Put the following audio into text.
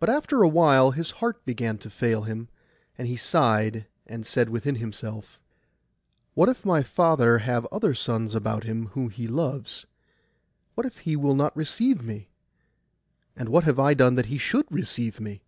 But after a while his heart began to fail him; and he sighed, and said within himself— 'What if my father have other sons about him whom he loves? What if he will not receive me? And what have I done that he should receive me?